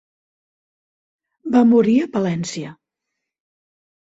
Va morir a Palència.